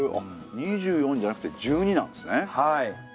２４じゃなくて１２なんですね。